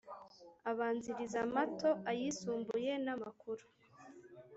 abanziriza amato ayisumbuye n’amakuru